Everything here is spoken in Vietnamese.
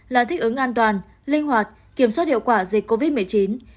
linh hoạt kiểm soát hiệu quả dịch covid một mươi chín